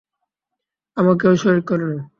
আমাকেও শরীক করে নাও।